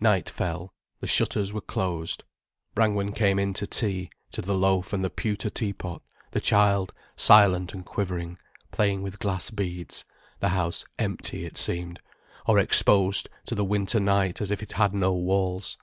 Night fell, the shutters were closed, Brangwen came in to tea, to the loaf and the pewter teapot, the child, silent and quivering, playing with glass beads, the house, empty, it seemed, or exposed to the winter night, as if it had no walls.